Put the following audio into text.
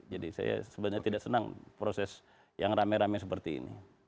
jadi saya sebenarnya tidak senang proses yang rame rame seperti ini